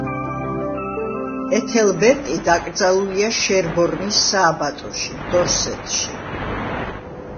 ეთელბერტი დაკრძალულია შერბორნის სააბატოში, დორსეტში.